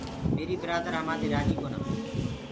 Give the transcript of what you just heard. ميري برآدآر همآدي رآجي ڪونآ۔